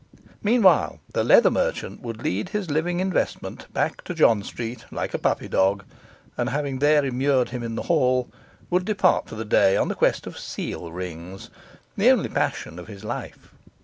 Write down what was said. Meanwhile, the leather merchant would lead his living investment back to John Street like a puppy dog; and, having there immured him in the hall, would depart for the day on the quest of seal rings, the only passion of his life.